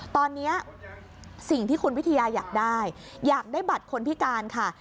ตอนนี้สิ่งที่คุณวิทยาอยากได้อยากได้บัตรคนพิการค่ะ